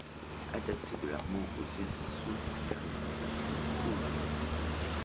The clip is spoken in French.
Adaptés de l'allemand, aux éditions Fernand Nathan, coll.